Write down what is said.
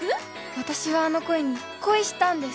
私はあの声に恋したんです